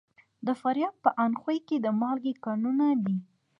د فاریاب په اندخوی کې د مالګې کانونه دي.